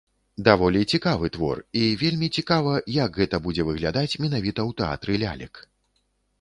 Даволі цікавы твор, і вельмі цікава, як гэта будзе выглядаць менавіта ў тэатры лялек.